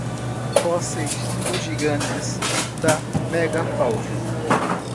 Fósseis dos gigantes da megafauna